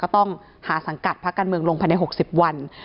ต้องหาสังกัดพระกันเมืองลงพันในหกสิบวัน